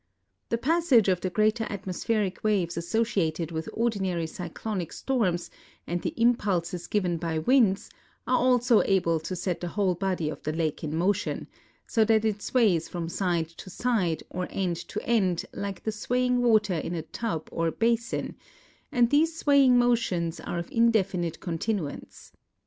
The passage of the greater atmospheric waves associated with ordinary cyclonic storms and the impulses given by winds are also able to set the whole body of the lake in motion, so that it sways from side to side or end to end like the swaying water in a tub or basin, and these swaying motions are of indefinite continuance.